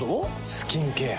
スキンケア。